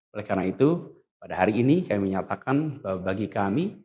oleh karena itu pada hari ini kami menyatakan bahwa bagi kami